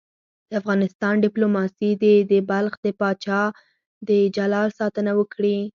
د افغانستان دیپلوماسي دې د بلخ د پاچا د جلال ساتنه وکړي.